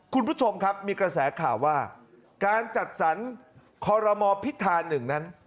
คุณผู้ชมครับมีกระแสข่าวว่าการจัดสรรคอลโลมอภิษฐานหนึ่งนั้น